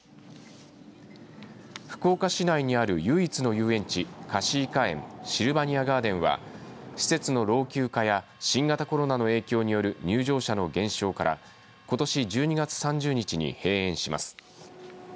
福岡市内にある唯一の遊園地かしいかえんシルバニアガーデンは施設の老朽化や新型コロナの影響による入場者の減少からことし１２月３０日に閉園します。